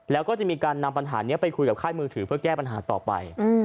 แล้วก็จะมีการนำปัญหานี้ไปคุยกับค่ายมือถือเพื่อแก้ปัญหาต่อไป